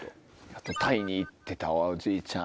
あとタイに行ってたおじいちゃん。